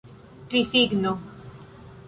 Krisigno.